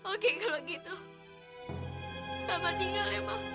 oke kalau gitu selamat tinggal ya mama